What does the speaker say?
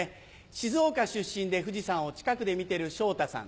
静岡出身で富士山を近くで見てる昇太さん。